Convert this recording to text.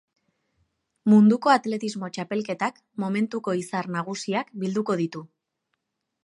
Munduko atletismo txapelketak momentuko izar nagusiak bilduko ditu.